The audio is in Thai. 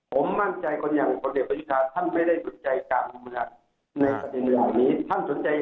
ผมมั่นใจคนอย่างบริกษณฐ์หินทรัพย์